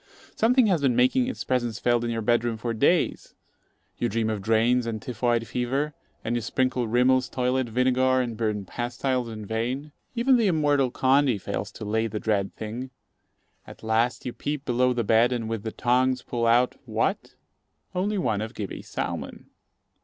Something has been making its presence felt in your bed room for days. You dream of drains and typhoid fever, and you sprinkle Rimmell's toilet vinegar and burn pastiles in vain. Even the immortal Condy fails to lay the dread thing. At last you peep below the bed, and with the tongs pull out what? only one of Gibbey's salmon.